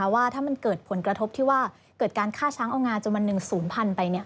ว่าถ้ามันเกิดผลกระทบที่ว่าเกิดการฆ่าช้างเอางาจนวันหนึ่งศูนย์พันไป